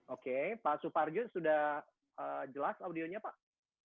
oke pak suparjo sudah jelas audionya pak